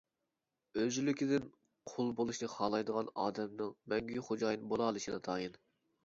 ئۆزلۈكىدىن قۇل بولۇشنى خالايدىغان ئادەمنىڭ مەڭگۈ خوجايىن بولالىشى ناتايىن.